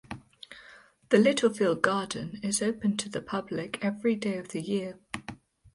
The Littlefield Garden is open to the public every day of the year.